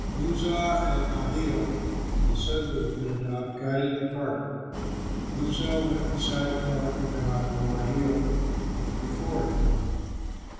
Uzzah and Ahio, the sons of Abinadab, guided the cart. Uzzah went beside the ark of God, while Ahio went before it.